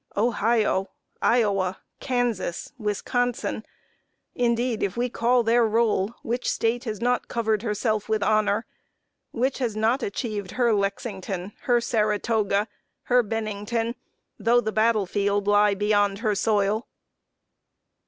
Ohio, Iowa, Kansas, Wisconsin indeed, if we call their roll, which State has not covered herself with honor which has not achieved her Lexington her Saratoga her Bennington though the battle field lie beyond her soil?